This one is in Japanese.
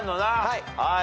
はい。